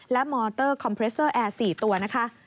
และมอเตอร์คอมเพรสเตอร์แอร์๔ตัวนะคะ